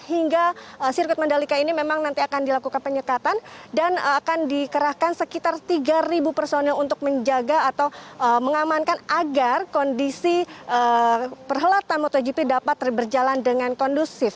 hingga sirkuit mandalika ini memang nanti akan dilakukan penyekatan dan akan dikerahkan sekitar tiga personil untuk menjaga atau mengamankan agar kondisi perhelatan motogp dapat berjalan dengan kondusif